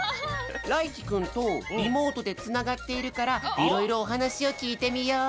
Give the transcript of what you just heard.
らいきくんとリモートでつながっているからいろいろおはなしをきいてみよう！